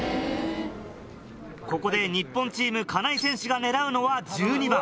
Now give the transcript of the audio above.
ここで日本チームカナイ選手が狙うのは１２番。